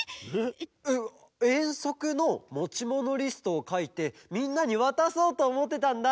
えっえんそくのもちものリストをかいてみんなにわたそうとおもってたんだ。